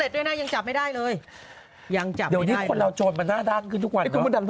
เดี๋ยวนี้คนเราโจทย์มาหน้าด้านขึ้นทุกวัน